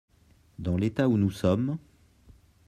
Dans l'état où nous sommes.